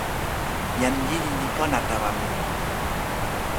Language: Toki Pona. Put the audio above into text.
jan lili li pona tawa mi.